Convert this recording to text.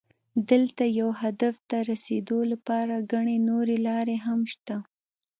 دلته یو هدف ته رسېدو لپاره ګڼې نورې لارې هم شته.